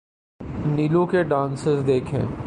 نیلو کے ڈانسز دیکھیں۔